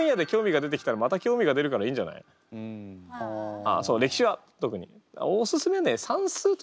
ああそう歴史は特に。